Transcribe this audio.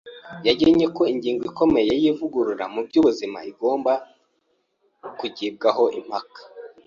Yagennye ko ingingo ikomeye y’ivugurura mu by’ubuzima igomba kugibwaho impaka